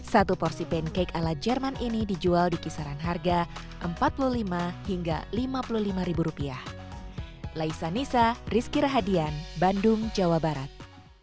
satu porsi pancake ala jerman ini dijual di kisaran harga rp empat puluh lima hingga lima puluh lima ribu rupiah